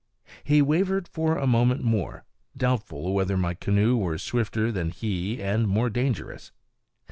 He wavered for a moment more, doubtful whether my canoe were swifter than he and more dangerous.